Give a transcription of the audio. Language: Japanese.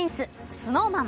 ＳｎｏｗＭａｎ。